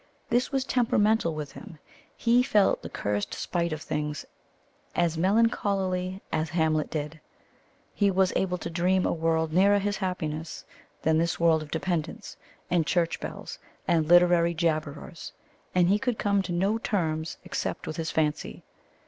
This was temperamental with him. He felt the "cursed spite" of things as melancholily as Hamlet did. He was able to dream a world nearer his happiness than this world of dependence and church bells and "literary jabberers"; and he could come to no terms except with his fancy.